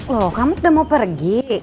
loh kamu udah mau pergi